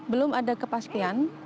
belum ada kepastian